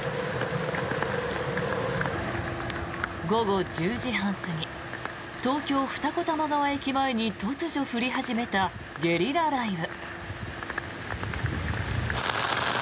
午後１０時半過ぎ東京・二子玉川駅前に突如降り始めたゲリラ雷雨。